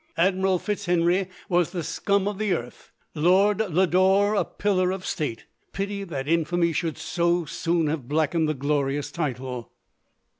Admiral Fitzhenry was the scum of the earth — Lord Lodore a pillar of state. Pity that infamy should so soon have blackened the glorious title